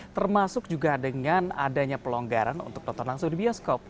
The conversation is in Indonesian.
termasuk juga dengan adanya pelonggaran untuk nonton langsung di bioskop